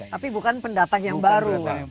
tapi bukan pendatang yang baru